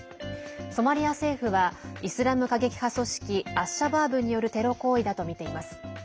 ソマリア政府はイスラム過激派組織アッシャバーブによるテロ行為だとみています。